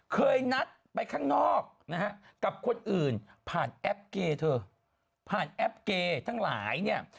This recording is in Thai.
กับคนอื่นผ่านแอปเกย์เถอะผ่านแอปเกย์ทั้งหลายเนี่ย